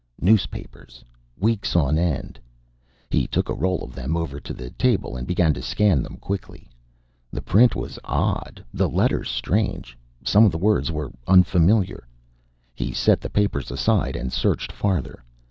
Newspapers weeks on end. He took a roll of them over to the table and began to scan them quickly. The print was odd, the letters strange. Some of the words were unfamiliar. He set the papers aside and searched farther.